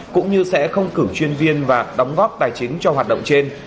cũng như sẽ không cử chuyên viên và đóng góp tài chính cho hoạt động trên